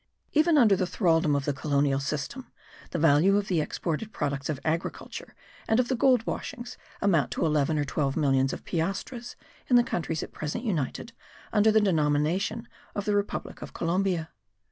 Even under the thraldom of the colonial system, the value of the exported products of agriculture and of the gold washings amount to eleven or twelve millions of piastres in the countries at present united under the denomination of the Republic of Columbia.